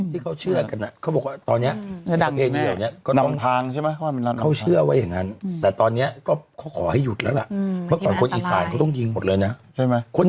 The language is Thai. ไม่ใช่เดี๋ยวฉันจะขอกรณีพิเศษท่านหนุ่มตายอยู่คุณจุดใหญ่เลย